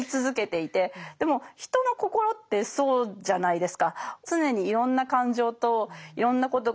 でも人の心ってそうじゃないですか。